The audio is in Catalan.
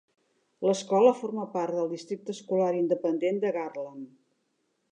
L'escola forma part del districte escolar independent de Garland.